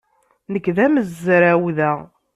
Nekk d amezraw da.